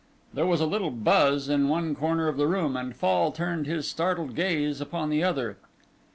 There was a little buzz in one corner of the room, and Fall turned his startled gaze upon the other.